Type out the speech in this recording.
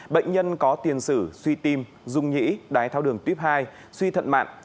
bệnh nhân có tiền sử suy tim dung nhĩ đái tháo đường tuyếp hai suy thận mạn